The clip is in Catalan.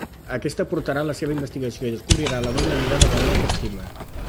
Aquesta portarà la seva investigació i descobrirà la doble vida de l'home que estima.